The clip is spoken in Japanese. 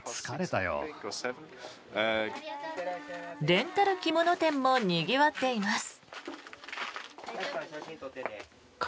レンタル着物店もにぎわっています。